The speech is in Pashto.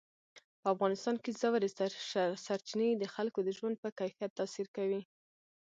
په افغانستان کې ژورې سرچینې د خلکو د ژوند په کیفیت تاثیر کوي.